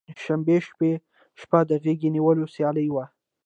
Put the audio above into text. په پنجشنبې شپه د غیږ نیونې سیالۍ وي.